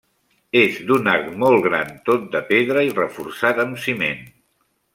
És d'un arc molt gran tot de pedra i reforçat amb ciment.